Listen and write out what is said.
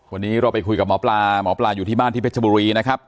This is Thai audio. วันนี้เราไปคุยกับหมอปลาหมอปลาอยู่ที่บ้านที่เพชรบุรีนะครับ